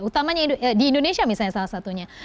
utamanya di indonesia misalnya salah satunya